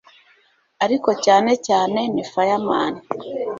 ariko cyane cyane ni fireman